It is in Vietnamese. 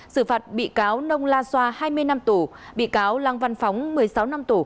xử phạt bị cáo nông la xoa hai mươi năm tù bị cáo lăng văn phóng một mươi sáu năm tù